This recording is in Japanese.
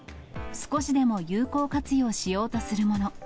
少しでも有効活用しようとするもの。